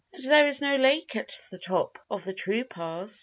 And there is no lake at the top of the true pass.